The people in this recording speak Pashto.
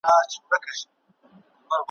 په کوم کلي کي پېریانانو `